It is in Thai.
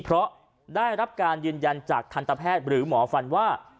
เพราะได้รับการยืนยันจากทันตแพทย์หรือหมอฟันว่า